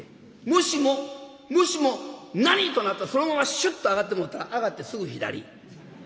もしももしも『何！』となったらそのままシュッと上がってもうたら上がってすぐ左。